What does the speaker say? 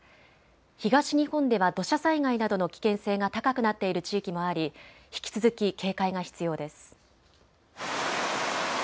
東日本では土砂災害などの危険性が高くなっている地域もあり引き続き警戒が必要です。